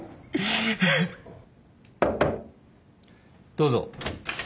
・どうぞ。